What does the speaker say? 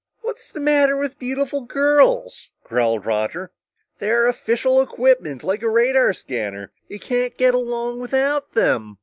"What's the matter with beautiful girls?" growled Roger. "They're official equipment, like a radar scanner. You can't get along without them!"